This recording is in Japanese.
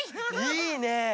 いいね！